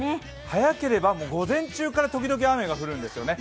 早ければ午前中から時々雨が降るんですよね。